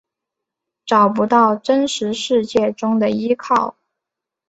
找不到真实世界中的依靠